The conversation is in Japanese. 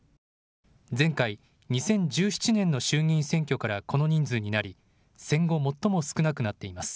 前回２０１７年の衆議院選挙からこの人数になり戦後最も少なくなっています。